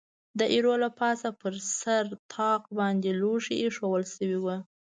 د ایرو له پاسه پر سر طاق باندې لوښي اېښوول شوي و.